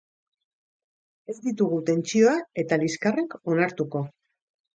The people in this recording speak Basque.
Ez ditugu tentsioa eta liskarrak onartuko.